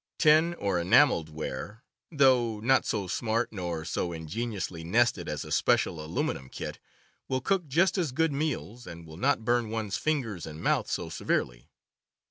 Tin or enameled ware, though not so smart nor so ingeniously nested as a special aluminum kit, will cook just as good meals, and will not burn one's fingers and mouth so severely.